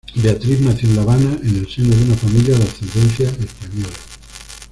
Beatriz nació en La Habana en el seno de una familia de ascendencia española.